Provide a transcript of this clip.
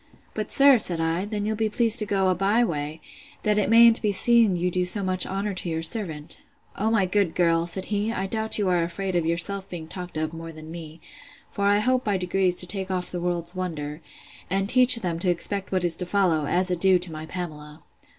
But, sir, said I, then you'll be pleased to go a bye way, that it mayn't be seen you do so much honor to your servant. O my good girl! said he, I doubt you are afraid of yourself being talked of, more than me: for I hope by degrees to take off the world's wonder, and teach them to expect what is to follow, as a due to my Pamela.